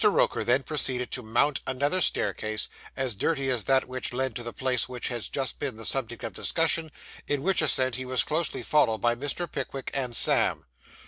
Roker then proceeded to mount another staircase, as dirty as that which led to the place which has just been the subject of discussion, in which ascent he was closely followed by Mr. Pickwick and Sam.